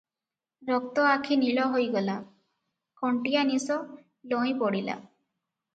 ରକ୍ତ ଆଖି ନୀଳ ହୋଇ ଗଲା- କଣ୍ଟିଆ ନିଶ ଲଇଁ ପଡ଼ିଲା ।